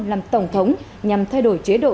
làm tổng thống nhằm thay đổi chế độ